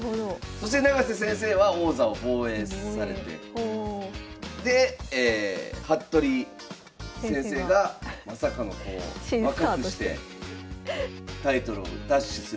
そして永瀬先生は王座を防衛されてで服部先生がまさかの若くしてタイトルを奪取する。